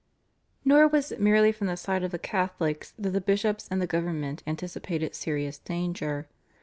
Nor was it merely from the side of the Catholics that the bishops and the government anticipated serious danger.